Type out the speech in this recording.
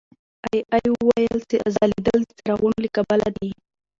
اې ای وویل چې ځلېدل د څراغونو له کبله دي.